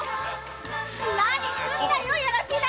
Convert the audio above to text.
何すんだよいやらしいね！